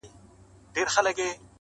o خپل د لاس څخه اشـــنــــــا.